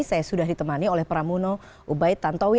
saya sudah ditemani oleh pramono ubaid tantowi